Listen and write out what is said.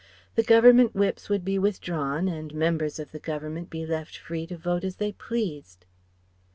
The Government Whips would be withdrawn and members of the Government be left free to vote as they pleased.